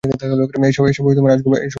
এসব আজগুবি কথাবার্তা!